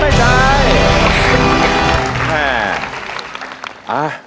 ไม่ใช้นะครับไม่ใช้